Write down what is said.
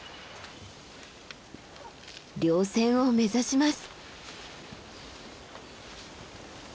稜線を目指します。